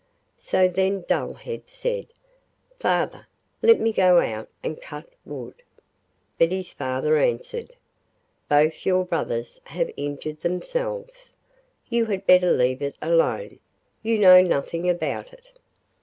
So then Dullhead said: 'Father, let me go out and cut wood.' But his father answered: 'Both your brothers have injured themselves. You had better leave it alone; you know nothing about it.